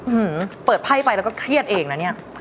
ื้อเปิดไพ่ไปแล้วก็เครียดเองนะเนี่ย